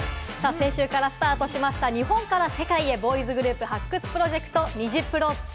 先週からスタートしました、日本から世界へ、ボーイズグループ発掘プロジェクト、ニジプロ２。